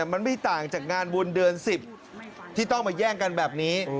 มันไม่ต่างจากงานบุญเดือน๑๐ที่ต้องมาแย่งกันแบบนี้